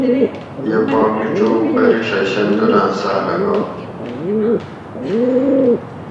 یہ پا مِڄوگ بریڛہ شندوراۤں ساۤلہ گا